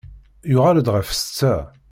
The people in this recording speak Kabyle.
Yuɣal-d ɣef setta.